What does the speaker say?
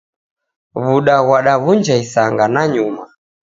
W'uda ghwadaw'unja isanga nanyuma